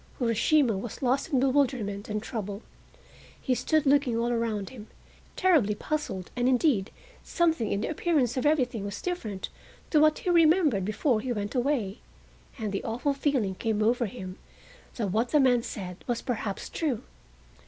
Urashima was lost in bewilderment and trouble. He stood looking all around him, terribly puzzled, and, indeed, something in the appearance of everything was different to what he remembered before he went away, and the awful feeling came over him that what the man said was perhaps true.